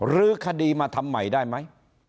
รื้อคดีมาทำใหม่ได้ไหม